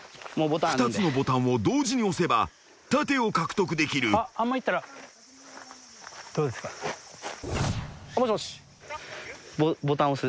［２つのボタンを同時に押せば盾を獲得できる］もしもし。